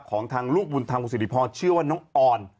ของทางลูกบุญทางบุษิฐภพชื่อว่าน้องออน